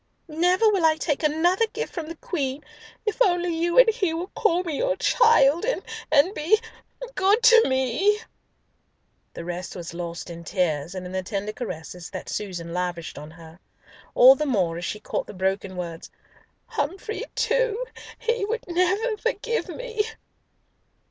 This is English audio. "Never will I take another gift from the Queen if only you and he will call me your child, and be—good to me—" The rest was lost in tears and in the tender caresses that Susan lavished on her; all the more as she caught the broken words, "Humfrey, too, he would never forgive me."